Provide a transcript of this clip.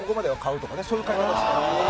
そういう買い方してた。